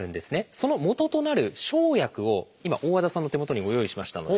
そのもととなる生薬を今大和田さんの手元にご用意しましたので。